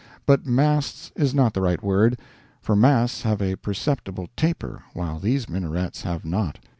But masts is not the right word, for masts have a perceptible taper, while these minarets have not.